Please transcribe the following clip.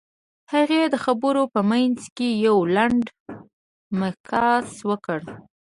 هغې د خبرو په منځ کې يو لنډ مکث وکړ.